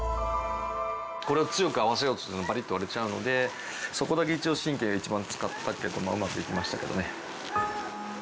これ強く合わせようとするとバリッと割れちゃうのでそこだけ神経、一番使ったけどまあ、うまくできましたけどね。